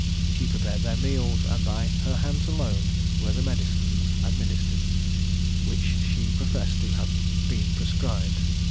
She prepared their meals, and by her hands alone were the medicines administered, which she professed to have been prescribed.